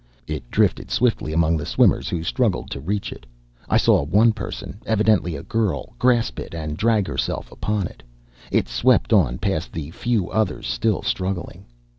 It drifted swiftly among the swimmers, who struggled to reach it. I saw one person, evidently a girl, grasp it and drag herself upon it. It swept on past the few others still struggling.